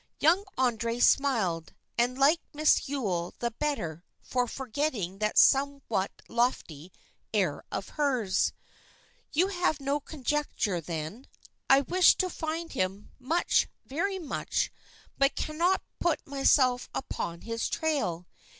Young André smiled, and liked Miss Yule the better for forgetting that somewhat lofty air of hers. "You have no conjecture, then? I wish to find him, much, very much, but cannot put myself upon his trail.